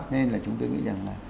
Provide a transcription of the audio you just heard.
nên là chúng tôi nghĩ rằng là